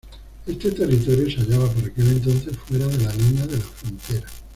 Este territorio se hallaba, por aquel entonces, fuera de la línea de la frontera.